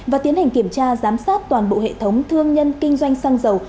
và tiến hành kiểm tra giám sát toàn bộ hệ thống thương nhân kinh doanh xăng dầu